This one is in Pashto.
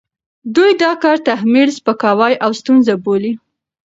دوی دا کار تحمیل، سپکاوی او ستونزه بولي،